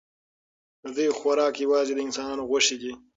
د دوی خوراک یوازې د انسانانو غوښې دي.